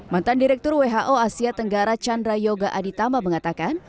mantan direktur who asia tenggara chandra yoga aditama mengatakan